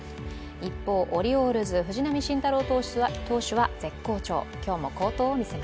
一方、オリオールズ、藤浪晋太郎投手は絶好調。